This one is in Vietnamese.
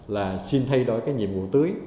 là xin thay đổi cái nhiệm vụ tưới